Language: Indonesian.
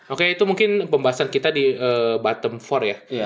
oke itu mungkin pembahasan kita di bottom for ya